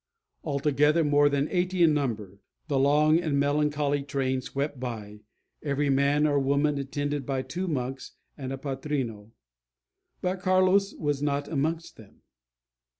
Altogether more than eighty in number, the long and melancholy train swept by, every man or woman attended by two monks and a patrino. But Carlos was not amongst them.